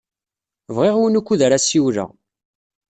Bɣiɣ win wukud ara ssiwleɣ.